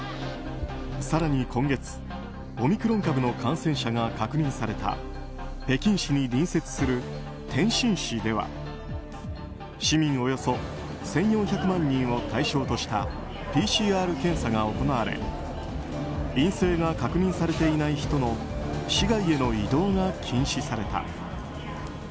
更に今月オミクロン株の感染者が確認された北京市に隣接する天津市では市民およそ１４００万人を対象としたＰＣＲ検査が行われ陰性が確認されていない人の市外への移動が禁止された。